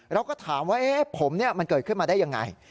เราก็ถามว่าผมมันเกิดขึ้นมาได้ยังไง